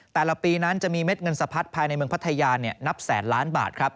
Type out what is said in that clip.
แต่ละปีนั้นจะมีเม็ดเงินสะพัดภายในเมืองพัทยานับแสนล้านบาทครับ